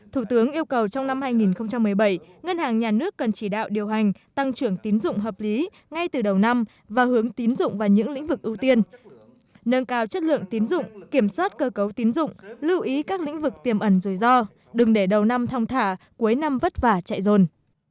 thủ tướng yêu cầu trong năm hai nghìn một mươi bảy ngân hàng nhà nước cần chỉ đạo điều hành tăng trưởng tín dụng hợp lý ngay từ đầu năm và hướng tín dụng vào những lĩnh vực ưu tiên nâng cao chất lượng tín dụng kiểm soát cơ cấu tín dụng lưu ý các lĩnh vực tiềm ẩn rủi ro đừng để đầu năm thong thả cuối năm vất vả chạy dồn